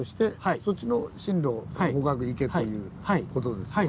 そっちの進路方角行けという事ですよね。